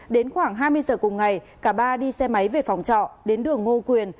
đến khoảng hai mươi giờ cùng ngày cả ba đi xe máy về phòng trọ đến đường ngô quyền